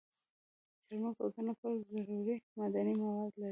چارمغز د بدن لپاره ضروري معدني مواد لري.